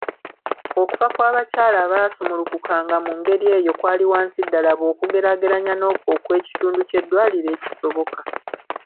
Okufa kw’abakyala abaasumulukukanga mu ngeri eyo kwali wansi ddala bw’okugeraageranya n’okwo okw’ekitundu ky’eddwaliro ekisoboka.